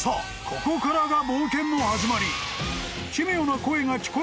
ここからが冒険の始まり］